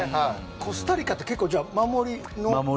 コスタリカって結構守りの。